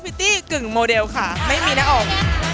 ิตตี้กึ่งโมเดลค่ะไม่มีหน้าอก